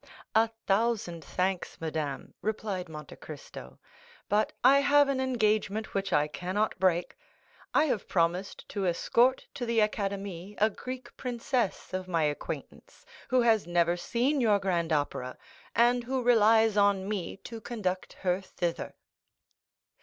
"A thousand thanks, madame," replied Monte Cristo "but I have an engagement which I cannot break. I have promised to escort to the Académie a Greek princess of my acquaintance who has never seen your grand opera, and who relies on me to conduct her thither."